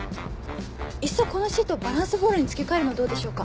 いっそこのシートをバランスボールに付け替えるのどうでしょうか？